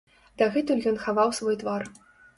Дагэтуль ён хаваў свой твар.